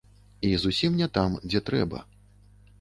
І зусім не там, дзе трэба.